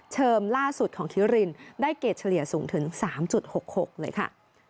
เชิมล่าสุดของเครียรินตันตีได้เกรดเฉลี่ยสูงถึง๓๖๖เลยค่ะ